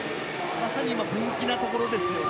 まさに分岐なところですね。